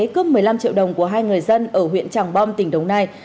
cướp một mươi năm triệu đồng của hai người dân ở huyện tràng bom tỉnh đồng nai